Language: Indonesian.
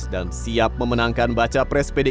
dan siap memenangkan baca presbyterian